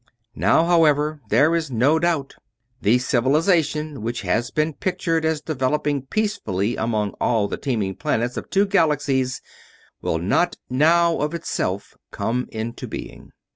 Now, however, there is no doubt. The Civilization which has been pictured as developing peacefully upon all the teeming planets of two galaxies will not now of itself come into being.